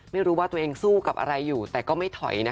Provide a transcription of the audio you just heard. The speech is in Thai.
ไม่รู้ว่าตัวเองสู้กับอะไรอยู่แต่ก็ไม่ถอย